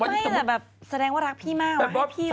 ไม่แต่แบบแสดงว่ารักพี่มากให้พี่เลยอะ